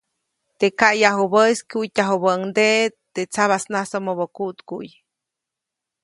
Teʼ kayajubäʼis kyujtyajubäʼuŋdeʼe teʼ tsabasnasomobä kuʼtkuʼy.